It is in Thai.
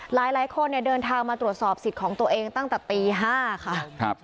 หลายคนเนี่ยเดินทางมาตรวจสอบสิทธิ์ของตัวเองตั้งแต่ตี๕ค่ะ